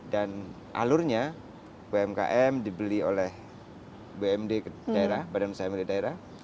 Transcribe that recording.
dan alurnya umkm dibeli oleh bumd daerah badan usaha milir daerah